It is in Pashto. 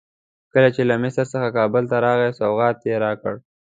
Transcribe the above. کله چې له مصر څخه کابل ته راغی سوغات یې راکړ.